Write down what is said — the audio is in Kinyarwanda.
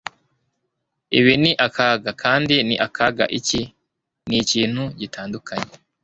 Ibi ni akaga kandi ni akaga Iki nikintu gitandukanye